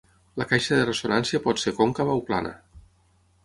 La caixa de ressonància pot ser còncava o plana.